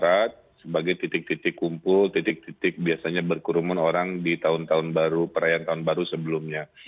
rame di seluruh jawa barat sebagai titik titik kumpul titik titik biasanya berkerumun orang di tahun tahun baru perayaan tahun baru sebelumnya